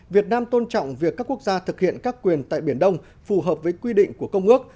việt nam tôn trọng việc các quốc gia thực hiện các quyền tại biển đông phù hợp với quy định của công ước